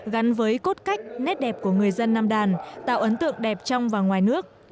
gắn với cốt cách nét đẹp của người dân nam đàn tạo ấn tượng đẹp trong và ngoài nước